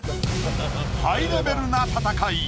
ハイレベルな戦い。